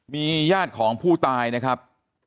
มีญาติของผู้ตายนะครับ